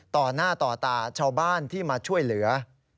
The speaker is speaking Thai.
ต่อหน้าต่อตาชาวบ้านที่มาช่วยเหลือ